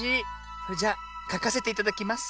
それじゃあかかせていただきます。